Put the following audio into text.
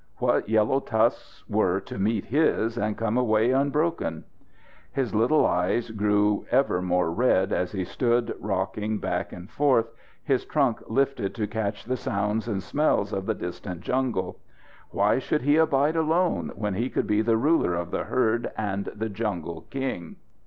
What yellow tusks were to meet his and come away unbroken? His little eyes grew ever more red as he stood rocking back and forth, his trunk lifted to catch the sounds and smells of the distant jungle. Why should he abide alone, when he could be the ruler of the herd and the jungle king?